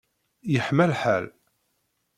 Yeḥma lḥal.